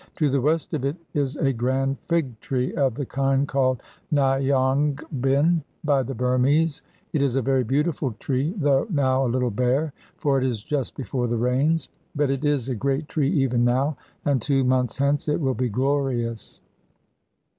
To the west of it is a grand fig tree of the kind called Nyaungbin by the Burmese. It is a very beautiful tree, though now a little bare, for it is just before the rains; but it is a great tree even now, and two months hence it will be glorious.